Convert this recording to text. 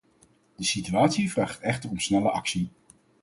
De situatie vraagt echter om snelle actie.